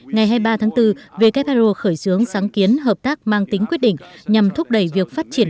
ngày hai mươi ba tháng bốn who khởi xướng sáng kiến hợp tác mang tính quyết định nhằm thúc đẩy việc phát triển